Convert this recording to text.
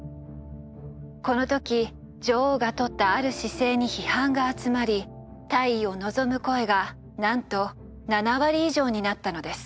この時女王がとったある姿勢に批判が集まり退位を望む声がなんと７割以上になったのです。